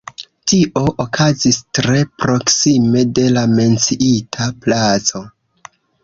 Tio okazis tre proksime de la menciita placo.